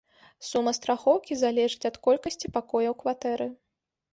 Сума страхоўкі залежыць ад колькасці пакояў кватэры.